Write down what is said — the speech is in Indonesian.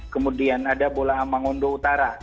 kemudian ada bola mangondo utara